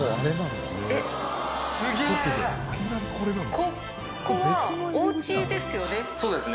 ここはおうちですよね？